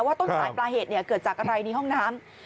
ว่าต้นสายปลาเหตุเนี่ยเกิดจากอะไรในห้องน้ำ